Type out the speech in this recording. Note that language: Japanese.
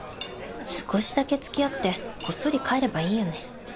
少しだけつきあってこっそり帰ればいいよね。